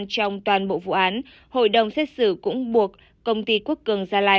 trong toàn bộ vụ án hội đồng xét xử cũng buộc công ty quốc cường gia lai